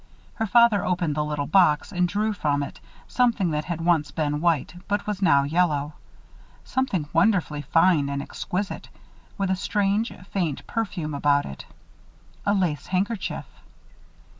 Her father opened the little box and drew from it something that had once been white, but was now yellow. Something wonderfully fine and exquisite, with a strange, faint perfume about it. A lace handkerchief.